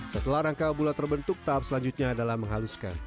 setelah rangka bulat terbentuk tahap selanjutnya adalah menghaluskan